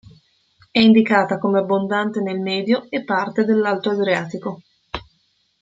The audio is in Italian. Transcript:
È indicata come abbondante nel Medio e parte dell'Alto Adriatico